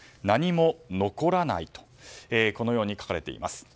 何も残らないとこのように書かれています。